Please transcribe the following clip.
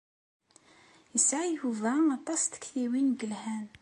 Yesɛa Yuba aṭas n tektiwin i yelhan.